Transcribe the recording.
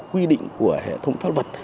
quy định của hệ thống pháp luật